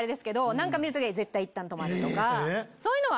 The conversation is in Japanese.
何か見る時は絶対いったん止まるとか。